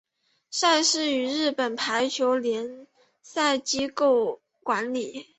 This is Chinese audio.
赛事由日本排球联赛机构管理。